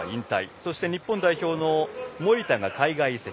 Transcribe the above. そして、日本代表の守田が海外移籍。